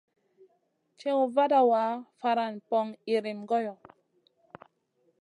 Ciwn vada wa, faran poŋ iyrim goyo.